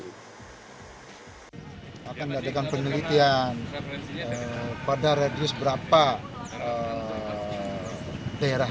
kita akan melakukan penelitian pada radius berapa daerah